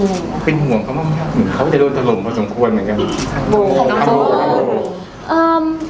สินภาพ